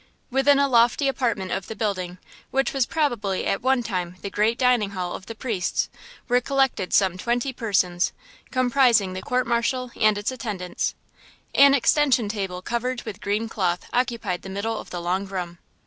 Within a lofty apartment of the building, which was probably at one time the great dining hall of the priests, were collected some twenty persons, comprising the court martial and its attendants. An extension table covered with green cloth occupied the middle of the long room.